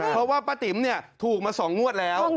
เพราะว่าป้าติ๋มถูกมา๒งวดแล้ว